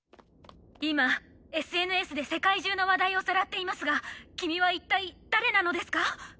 今ＳＮＳで世界中の話題をさらっていますが君は一体誰なのですか？